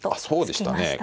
そうでしたね